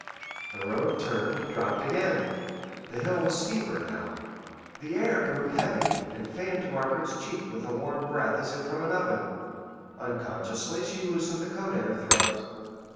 The road turned and dropped again. The hill was steeper now. The air grew heavy and fanned Margaret's cheek with a warm breath as if from an oven. Unconsciously she loosened the coat at her throat.